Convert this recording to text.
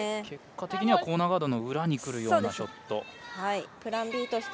結果的にはコーナーガードの裏にくるようなショット。